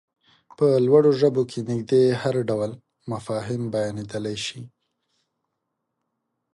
په لوړو ژبو کې نږدې هر ډول مفاهيم بيانېدلای شي.